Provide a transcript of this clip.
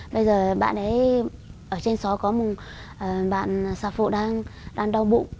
bây giờ bạn ấy ở trên xó có một bạn sạc phụ đang đau bụng